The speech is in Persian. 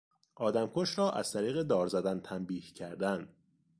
آدمکش را از طریق دار زدن تنبیه کردن